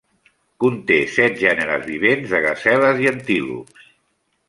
Conté set gèneres vivents de gaseles i antílops.